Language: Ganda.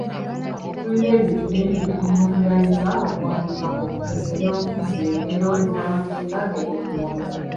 Tulina ebintu bingi omuntu by’ayinza okuwandiikako, okugeza, ebyobufuzi, engero, eby’amateeka, eby’obulamu .